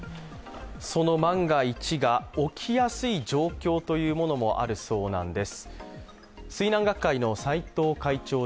その万が一が起きやすい状況というものもあるそうなんです。